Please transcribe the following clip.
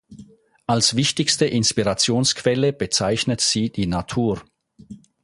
Als wichtigste Inspirationsquelle bezeichnet sie die Natur.